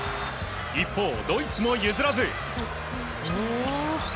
一方、ドイツも譲らず。